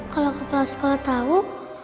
kalau kebelakang sekolah tahu